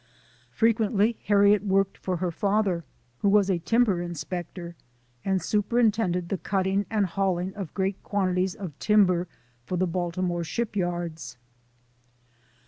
Frequently Harriet worked for her lather, who was a timber inspector, and superin tended the cutting and hauling of great quantities of timber for the Baltimore ship yards.